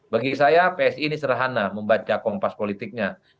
bagi saya psi ini serahana membaca kompas politiknya